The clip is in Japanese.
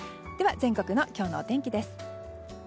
全国の今日のお天気です。